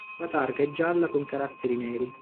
La targa è gialla con caratteri neri.